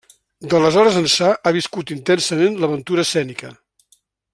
D'aleshores ençà, ha viscut intensament l'aventura escènica.